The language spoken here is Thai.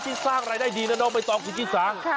ชุดที่สร้างอะไรได้ดีแล้วนอกไปต่อชุดที่สร้าง